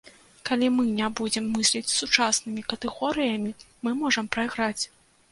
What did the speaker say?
Калі мы не будзем мысліць сучаснымі катэгорыямі мы можам прайграць.